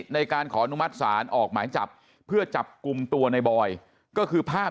ในการขออนุมัติศาลออกหมายจับเพื่อจับกลุ่มตัวในบอยก็คือภาพ